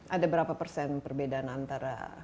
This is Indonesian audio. ada berapa persen perbedaan antara